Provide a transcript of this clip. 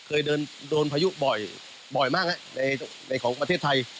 เคยเดินโดนพายุบ่อยบ่อยมากฮะในในของประเทศไทย